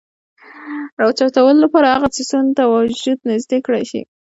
راوچتولو د پاره هغه څيز ته وجود نزدې کړے شي ،